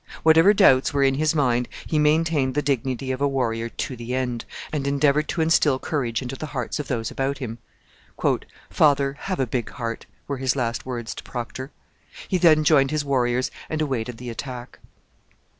Whatever doubts were in his mind, he maintained the dignity of a warrior to the end, and endeavoured to instil courage into the hearts of those about him. 'Father, have a big heart,' were his last words to Procter. He then joined his warriors and awaited the attack.